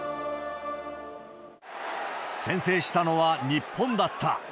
先制したのは日本だった。